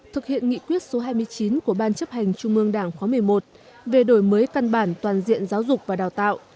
thực hiện nghị quyết số hai mươi chín của ban chấp hành trung ương đảng khóa một mươi một về đổi mới căn bản toàn diện giáo dục và đào tạo